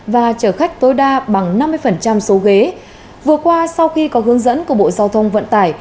và chở khách tối đa bằng năm mươi số ghế vừa qua sau khi có hướng dẫn của bộ giao thông vận tải